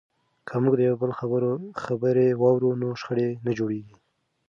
که موږ د یو بل خبرې واورو نو شخړې نه جوړیږي.